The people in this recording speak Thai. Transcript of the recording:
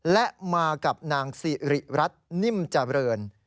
และมากับนางสิริรัตนิ่มเจริญ